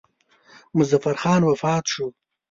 مظفر خان وفات شو.